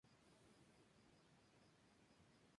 Tom fue modelo de la marca Reebok.